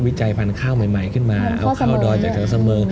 จัยพันธุ์ข้าวใหม่ขึ้นมาเอาข้าวดอยจากทางเสมอ